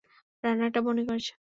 রান্নাটা বনি করেছে।